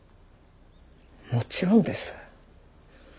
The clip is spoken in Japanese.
もちろんです。